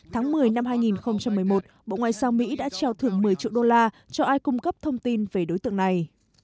tháng một mươi năm hai nghìn một mươi một bộ ngoại giao mỹ đã trao thưởng một mươi triệu đô la cho ai cung cấp thông tin về đối tượng này